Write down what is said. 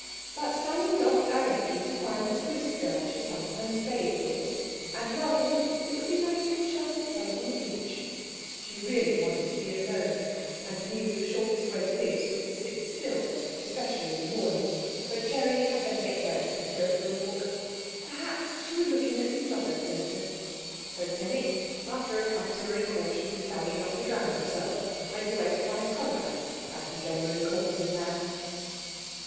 But Sally was off directly to find the Swiss girl she sometimes bathed with, and Rosalind thought it would be nice in a sheltered place on the beach. She really wanted to be alone, and knew the shortest way to this was to sit still, especially in the morning; but Gerry had better get Vereker to go for a walk. Perhaps she would look in at his mother's later. So Fenwick, after a customary caution to Sally not to drown herself, went away to find Conrad, as he generally called him now.